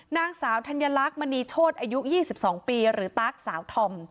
นางสาวธัญลักษณ์มณีโชธอายุ๒๒ปีหรือตั๊กสาวธอม